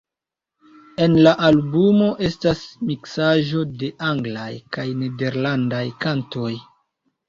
En la albumo estas miksaĵo de anglaj kaj nederlandaj kantoj.